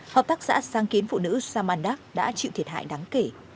hợp tác xã sang kiến phụ nữ samandak đã chịu thiệt hại đáng kể